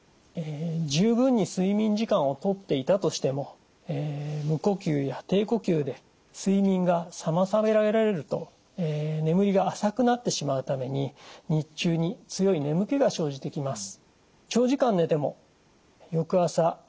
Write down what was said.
十分に睡眠時間をとっていたとしても無呼吸や低呼吸で睡眠が妨げられると眠りが浅くなってしまうために日中に強い眠気が生じてきます。